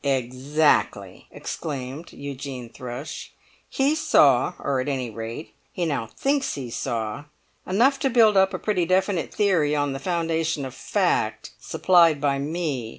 "Exactly!" exclaimed Eugene Thrush; "he saw, or at any rate he now thinks he saw, enough to build up a pretty definite theory on the foundation of fact supplied by me.